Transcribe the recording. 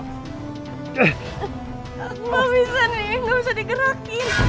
aku gak bisa nih gak bisa digerakin